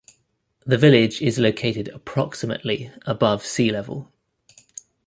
The village is located approximately above sea level.